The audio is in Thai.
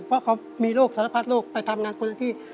เพราะเขามีโรฮีศาพน์พระภาษาโรคไปทำงานคนละที่